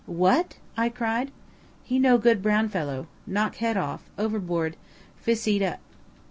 "What?" I cried. "He no good brown fellow. Knock head off. Overboard: fis eat up."